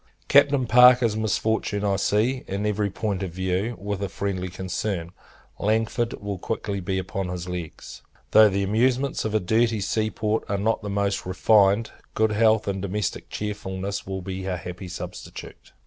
Captain Parker's misfortune, I see, in every point of view, with a friendly concern. Langford will quickly be upon his legs. Though the amusements of a dirty sea port are not the most refined, good health, and domestic cheerfulness, will be a happy substitute.